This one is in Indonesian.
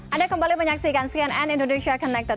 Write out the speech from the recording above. anda kembali menyaksikan cnn indonesia connected